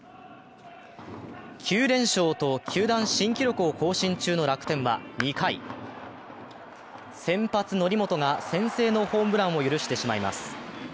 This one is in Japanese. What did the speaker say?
９連勝と球団新記録を更新中の楽天は２回、先発・則本が先制のホームランを許してしまいます。